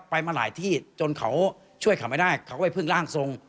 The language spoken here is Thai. ไปมาหลายที่จนเขาช่วยเขาไม่ได้เขาก็ไปพึ่งร่างทรง